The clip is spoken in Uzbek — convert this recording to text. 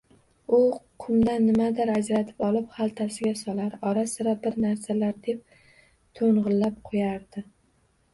U qumdan nimadir ajratib olib, xaltasiga solar, ora-sira bir narsalar deb toʻngʻillab qoʻyardi